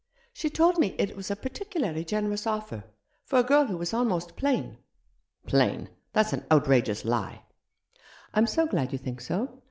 She told me it was a particularly generous offer — for a girl who was almost plain." " Plain ! That's an outrageous lie." " I'm so glad you think so.